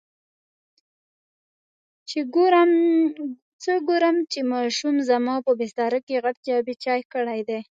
څه ګورم چې ماشوم زما په بستره کې غټ جواب چای کړی دی.